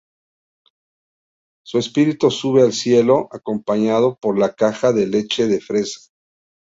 Su espíritu sube al cielo acompañado por la caja de leche de fresa.